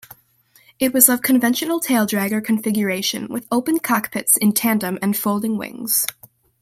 It was of conventional taildragger configuration with open cockpits in tandem and folding wings.